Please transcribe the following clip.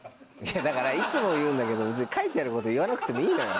だからいつも言うんだけど別に書いてあること言わなくてもいいのよ。